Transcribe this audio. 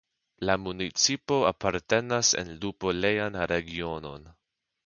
La municipo apartenas en lupolejan regionon.